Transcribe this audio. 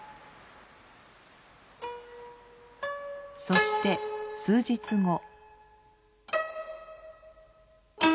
そして数日後。